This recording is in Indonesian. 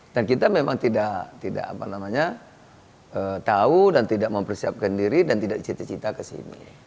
dan kita memang tidak tidak apa namanya tahu dan tidak mempersiapkan diri dan tidak cita cita ke sini